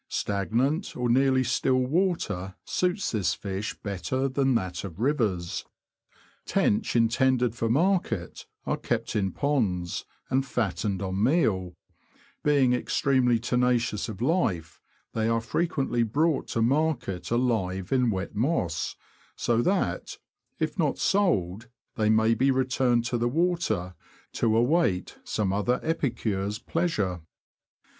Stagnant, or nearly still water, suits this fish better than that of rivers. Tench intended for market are kept in ponds, and fattened on meal ; being extremely tenacious of life, they are frequently brought to market alive in wet moss ; so that, if not sold, they may be returned to the water, to await some other epicure's pleasure.